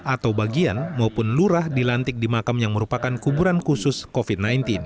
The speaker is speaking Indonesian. atau bagian maupun lurah dilantik di makam yang merupakan kuburan khusus covid sembilan belas